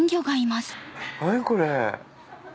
何これ。